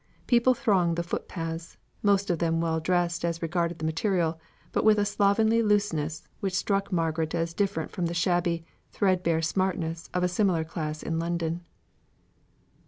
People thronged the footpaths, most of them well dressed as regarded the material, but with a slovenly looseness which struck Margaret as different from the shabby, threadbare smartness of a similar class in London.